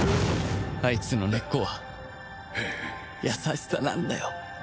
あいつの根っこは優しさなんだよ。